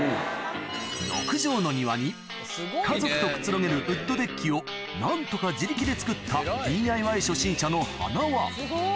６帖の庭に家族とくつろげるウッドデッキを何とか自力で作ったＤＩＹ初心者のはなわ